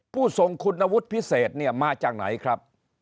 ผู้ทรงคุณวุฒิพิเศษเนี่ยมาจากไหนครับ